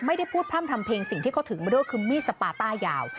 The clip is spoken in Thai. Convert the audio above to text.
ไม่ได้พูดพร่ำทำเพลงสิ่งที่เขาถึงมาด้วยคือมีดสปาต้ายาว